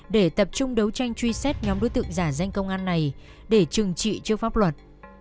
để tập trung đấu tranh truy xét nhóm đối tượng giả danh công an này để trừng trị trước pháp luật